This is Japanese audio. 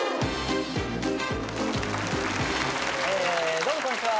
どうもこんにちは。